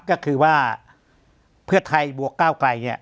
ก็คือว่าเพื่อไทยบวกก้าวไกลเนี่ย